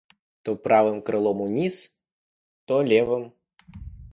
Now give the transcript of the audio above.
То правым крылом уніз, то левым.